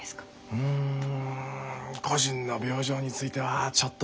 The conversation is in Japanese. うん個人の病状についてはちょっと。